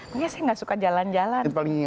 makanya saya nggak suka jalan jalan